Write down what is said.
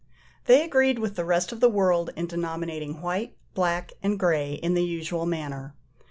They agreed with the rest of the world in denominating white, black, and grey in the usual manner.